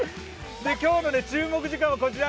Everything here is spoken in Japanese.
今日の注目時間はこちら。